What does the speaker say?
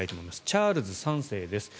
チャールズ３世です。